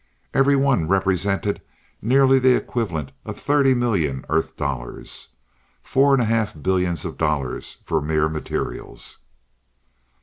Every one represented nearly the equivalent of thirty million Earth dollars. Four and a half billions of dollars for mere materials.